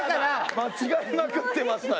間違えまくってましたよ。